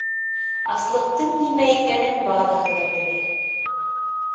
Аслыҡтың нимә икәнен барыһы ла белә.